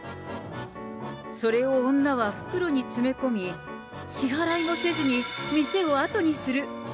それを女は袋に詰め込み、支払いもせずに店を後にする。